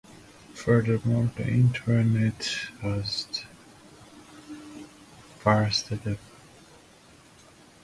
Furthermore, the Internet has fostered a participatory media culture.